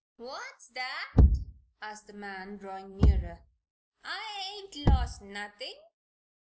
"What's that?" asked the man, drawing nearer. "I ain't lost nothing."